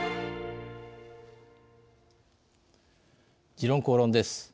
「時論公論」です。